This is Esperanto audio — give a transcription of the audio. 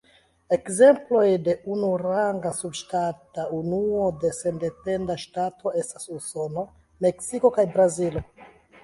Ekzemploj de unuaranga subŝtata unuo de sendependa ŝtato estas Usono, Meksiko kaj Brazilo.